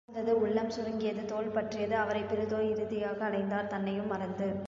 சோர்ந்தது உள்ளம் சுருங்கியது தோல் பற்றியது அவரைப் பெரு தோய் இறுதியாக அலைந்தார் தன்னையும் மறந்து!